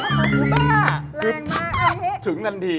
บ้าแรงมากอันนี้ถึงนั้นดี